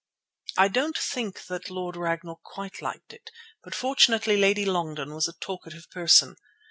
I don't think that Lord Ragnall quite liked it, but fortunately Lady Longden was a talkative person.